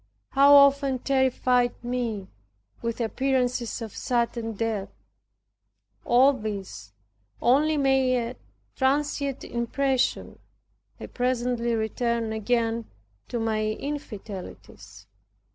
How often terrified me with appearances of sudden death! All these only made a transient impression. I presently returned again to my infidelities.